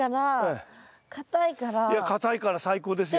いや硬いから最高ですよ。